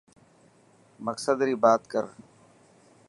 مقصد ري بات ڪر.